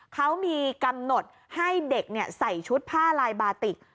เขามีกำหนดให้เด็กใส่ชุดผ้าลายบาติก